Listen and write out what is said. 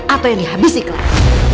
atau yang dihabisi clara